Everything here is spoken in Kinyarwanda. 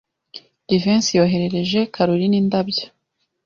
Jivency yohereje Kalorina indabyo.